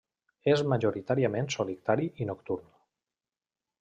És majoritàriament solitari i nocturn.